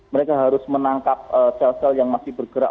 mereka harus menangkap sel sel yang masih bergerak